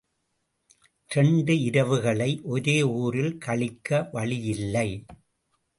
இரண்டு இரவுகளை ஒரே ஊரில் கழிக்க வழியில்லை.